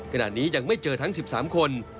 ขณะนี้ยังไม่เจอทั้ง๑๓คน